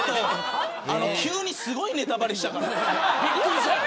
急にすごいネタバレしたからな。